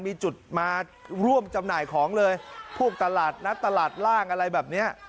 มีจุดมาร่วมจำหน่ายของเลยพวกตลาดนัดตลาดล่างอะไรแบบเนี้ย